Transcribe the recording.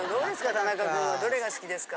田中くん。どれが好きですか？